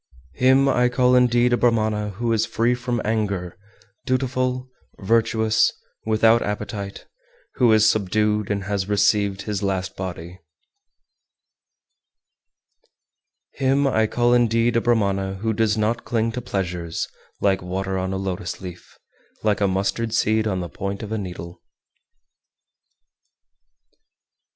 400. Him I call indeed a Brahmana who is free from anger, dutiful, virtuous, without appetite, who is subdued, and has received his last body. 401. Him I call indeed a Brahmana who does not cling to pleasures, like water on a lotus leaf, like a mustard seed on the point of a needle.